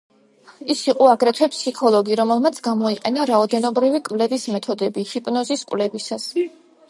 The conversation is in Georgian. ის იყო აგრეთვე ფსიქოლოგი, რომელმაც გამოიყენა რაოდენობრივი კვლევის მეთოდები ჰიპნოზის კვლევისას.